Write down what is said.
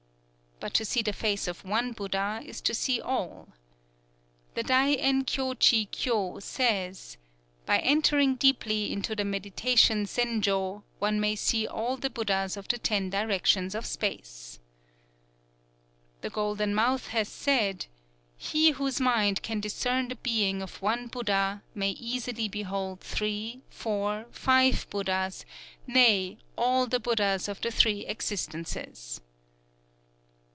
_" But to see the face of one Buddha is to see all: "_The Dai en kyō chi kyō says: 'By entering deeply into the meditation Zenjō, one may see all the Buddhas of the Ten Directions of Space.'_" "_The Golden Mouth has said: 'He whose mind can discern the being of one Buddha, may easily behold three, four, five Buddhas, nay, all the Buddhas of the Three Existences.